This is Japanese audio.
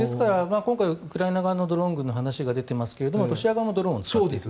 今回、ウクライナ側のドローン軍の話が出ていますが、ロシア側もドローンを使っている。